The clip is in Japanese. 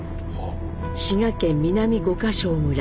滋賀県南五個荘村